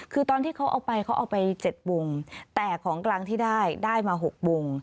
คือตอนที่เขาเอาไปเขาเอาไป๗วงแต่ของกลางที่ได้ได้มา๖วง